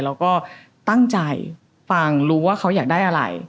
แล้วก็ตั้งใจฟังรู้ว่าเขาอยากได้อะไร